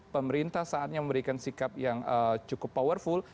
pemerintah saatnya memberikan sikap yang cukup powerful